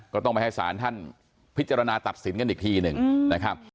ก็ต้องไปให้ศาลท่านพิจารณาตัดสินกันอีกทีหนึ่งนะครับ